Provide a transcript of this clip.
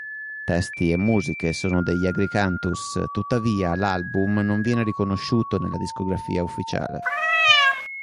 Testi e musiche sono degli Agricantus, tuttavia l'album non viene riconosciuto nella discografia ufficiale.